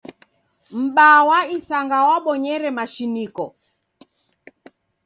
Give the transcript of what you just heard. M'baa wa isanga wabonyere mashiniko.